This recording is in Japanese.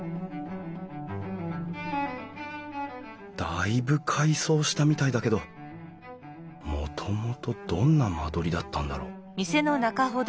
だいぶ改装したみたいだけどもともとどんな間取りだったんだろう？